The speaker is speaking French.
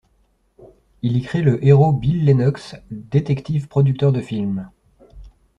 Il y crée le héros Bill Lennox, détective producteur de films.